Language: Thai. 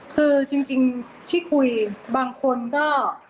คือจริงที่คุยบางคนก็